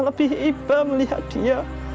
lebih iba melihat dia